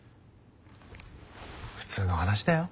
普通の話だよ。